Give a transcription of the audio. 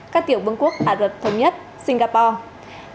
các tiểu vương quốc ả rợt thống nhất singapore